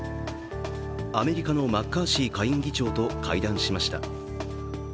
アメリカのマッカーシー下院議長と会談しました。